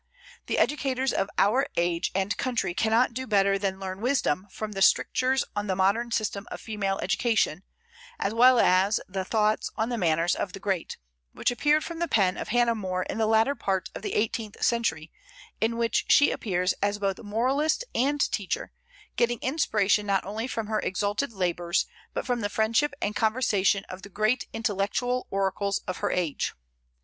The educators of our age and country cannot do better than learn wisdom from the "Strictures on the Modern System of Female Education," as well as the "Thoughts on the Manners of the Great," which appeared from the pen of Hannah More in the latter part of the 18th century, in which she appears as both moralist and teacher, getting inspiration not only from her exalted labors, but from the friendship and conversation of the great intellectual oracles of her age.